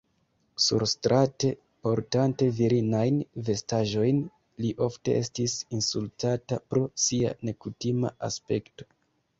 Surstrate, portante virinajn vestaĵojn, li ofte estis insultata pro sia nekutima aspekto.